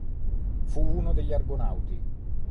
Fu uno degli Argonauti.